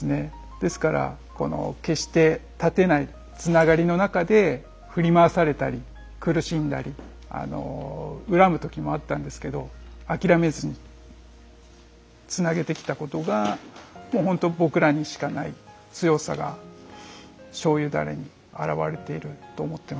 ですから決して絶てないつながりの中で振り回されたり苦しんだり恨むときもあったんですけど諦めずにつなげてきたことがほんと僕らにしかない強さが醤油ダレに表れていると思ってます